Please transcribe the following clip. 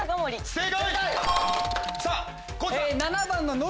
正解！